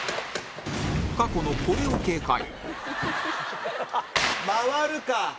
過去のこれを警戒回るか？